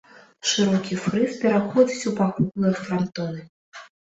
Шырокі фрыз пераходзіць у паўкруглыя франтоны.